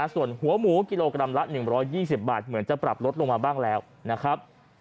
ส่วนหัวหมูกิโลกรัมละ๑๒๐บาทเหมือนจะปรับลดลงมาบ้างแล้วนะครับ